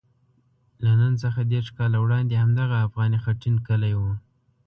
له نن څخه دېرش کاله وړاندې همدغه افغاني خټین کلی وو.